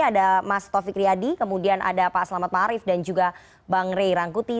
pada malam hari ini ada mas taufik riadi kemudian ada pak selamat marif dan juga bang rey rangkuti